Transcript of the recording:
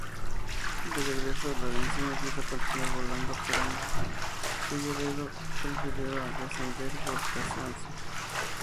De regreso, Lorenzini quiso continuar volando pero Amalia Figueredo prefirió descender por cansancio.